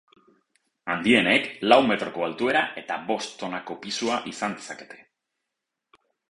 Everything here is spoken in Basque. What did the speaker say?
Handienek, lau metroko altuera eta bost tonako pisua izan dezakete.